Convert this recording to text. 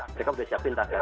mereka sudah siapkan tagar